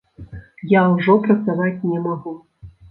Я ўжо працаваць не магу.